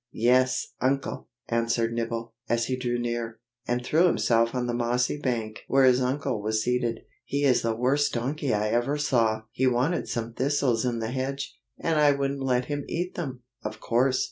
"Yes, Uncle!" answered Nibble, as he drew near, and threw himself on the mossy bank where his uncle was seated, "he is the worst donkey I ever saw! he wanted some thistles in the hedge, and I wouldn't let him eat them, of course.